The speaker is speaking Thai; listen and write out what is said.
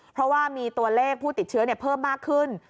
เพราะว่ามีตัวเลขผู้ติดเชื้อเพิ่มมากขึ้น